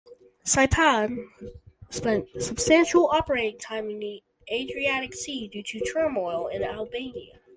"Saipan" spent substantial operating time in the Adriatic Sea due to turmoil in Albania.